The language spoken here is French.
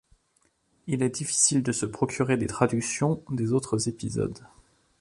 Il est difficile de se procurer des traductions des autres épisodes.